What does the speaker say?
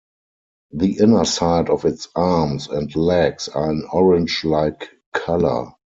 The inner side of its arms and legs are an orange-like color.